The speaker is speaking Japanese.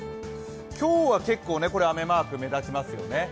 今日は結構、雨マークが目立ちますよね。